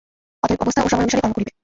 অতএব অবস্থা ও সময় অনুসারেই কর্ম করিবে।